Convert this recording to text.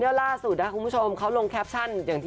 นี่ล่าสุดนะคุณผู้ชมเขาลงแคปชั่น